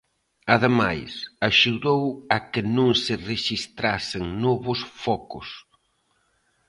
Ademais, axudou a que non se rexistrasen novos focos.